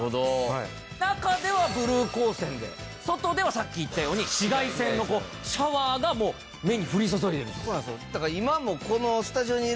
中ではブルー光線で外ではさっき言ったように紫外線のシャワーがもう目に降り注いでいるんです。